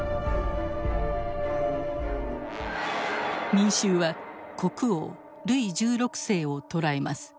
民衆は国王ルイ１６世を捕らえます。